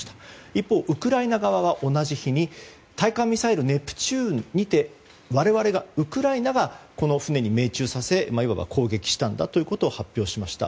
一方、ウクライナ側は同じ日に対艦ミサイルネプチューンにてウクライナがこの船に命中させいわば攻撃したんだということを発表しました。